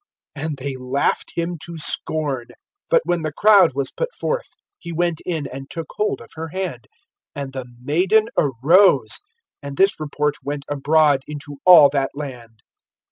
And they laughed him to scorn. (25)But when the crowd was put forth, he went in, and took hold of her hand, and the maiden arose. (26)And this report went abroad into all that land.